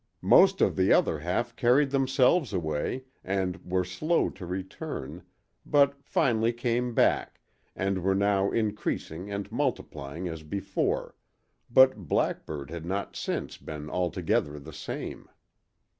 Most of the other half carried themselves away and were slow to return, but finally came back, and were now increasing and multiplying as before, but Blackburg had not since been altogether the same.